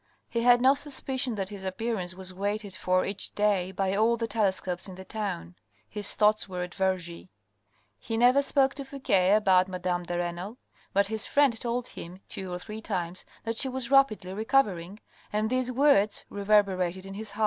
He had no suspicion that his appearance was waited for each day by all the telescopes in the town. His thoughts were at Vergy. He never spoke to Fouque about madame de Renal, but his friend told him two or three times that she was rapidly recovering, and these words reverberated in his heart.